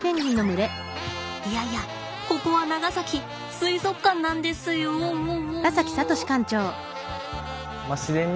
いやいやここは長崎水族館なんですよおお。